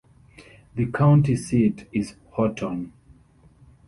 The county seat is Houghton.